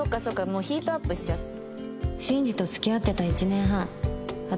もうヒートアップしちゃって。